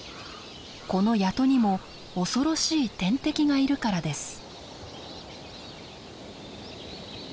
この谷戸にも恐ろしい天敵がいるからです。